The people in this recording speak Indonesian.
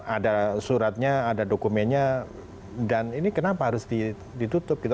ada suratnya ada dokumennya dan ini kenapa harus ditutup gitu